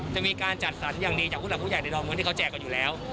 จะมีการจัดสรรอย่างดีจากผู้หลักผู้ใหญ่ในดอนเมืองที่เขาแจกกันอยู่แล้ว